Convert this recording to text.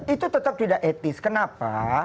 itu tetap tidak etis kenapa